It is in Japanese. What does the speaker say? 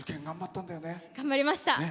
頑張りました。